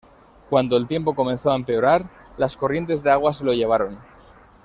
Cuando el tiempo comenzó a empeorar, las corrientes de agua se lo llevaron.